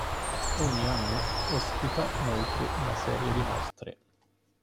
Ogni anno ospita inoltre una serie di mostre.